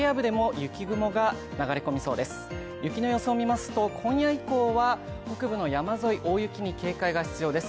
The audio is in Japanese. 雪の予想を見ますと今夜以降は北部の山沿い、大雪に警戒が必要です。